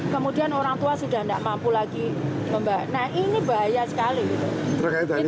kemudian orang tua sudah tidak mampu lagi membaik nah ini bahaya sekali